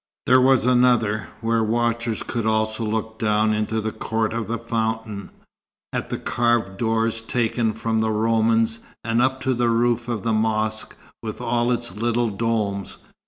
There was another, where watchers could also look down into the court of the fountain, at the carved doors taken from the Romans, and up to the roof of the mosque with all its little domes.